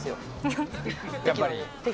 やっぱり？